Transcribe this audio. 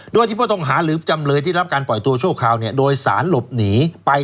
โดยที่ผู้ต้องหาหรือจำเลยที่รับการปล่อยตัวชั่วคราวโดยสารหลบหนีไป